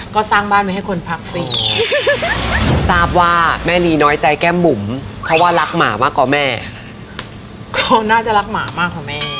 ก็น่าจะรักหมามากกว่าแม่